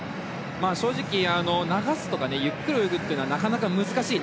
正直、流すとかゆっくり泳ぐというのはなかなか難しい。